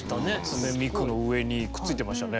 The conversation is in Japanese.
初音ミクの上にくっついてましたね。